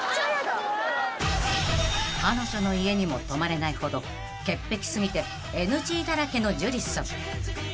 ［彼女の家にも泊まれないほど潔癖過ぎてＮＧだらけの樹さん］